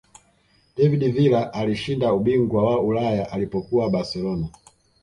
david villa alishinda ubingwa wa ulaya alipokuwa barcelona